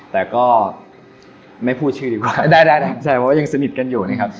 แต่ก็ไม่พูดชื่อดีกว่าได้ได้ได้ใช่เพราะว่ายังสนิทกันอยู่นี่ครับ